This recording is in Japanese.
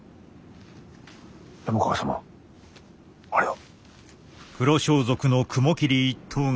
山川様あれは？